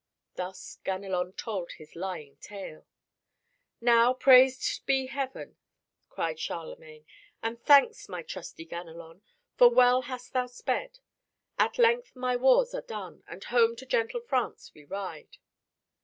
Thus Ganelon told his lying tale. "Now praised be Heaven!" cried Charlemagne. "And thanks, my trusty Ganelon, for well hast thou sped. At length my wars are done, and home to gentle France we ride."